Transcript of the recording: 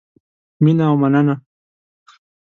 مینه او مننه